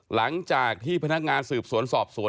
หลังจากที่พนักงานสืบสวนสอบสวน